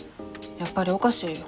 やっぱりおかしいよ。